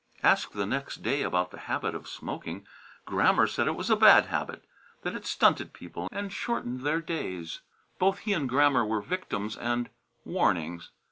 Asked the next day about the habit of smoking, Gramper said it was a bad habit; that it stunted people and shortened their days. Both he and Grammer were victims and warnings.